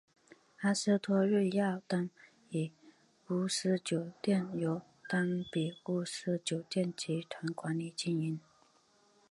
阿斯托瑞亚丹比乌斯酒店由丹比乌斯酒店集团管理经营。